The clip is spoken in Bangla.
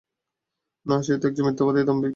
না, সে তো একজন মিথ্যাবাদী, দাম্ভিক।